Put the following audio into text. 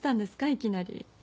いきなり。